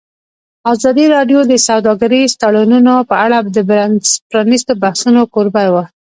ازادي راډیو د سوداګریز تړونونه په اړه د پرانیستو بحثونو کوربه وه.